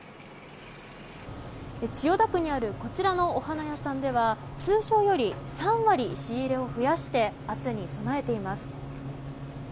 千代田区にあるこちらのお花屋さんでは通常より３割、仕入れを増やして明日に備えています。